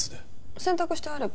洗濯してあれば。